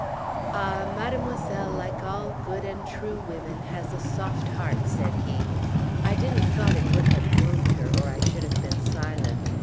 "Ah! mademoiselle, like all good and true women, has a soft heart," said he. "I didn't thought it would have moved her, or I should have been silent.